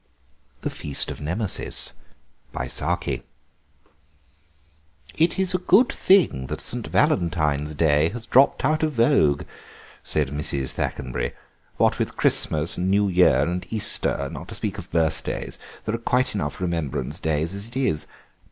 THE FEAST OF NEMESIS "It's a good thing that Saint Valentine's Day has dropped out of vogue," said Mrs. Thackenbury; "what with Christmas and New Year and Easter, not to speak of birthdays, there are quite enough remembrance days as it is.